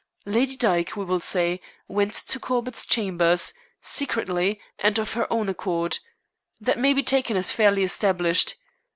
Lady Dyke, we will say, went to Corbett's chambers, secretly and of her own accord. That may be taken as fairly established.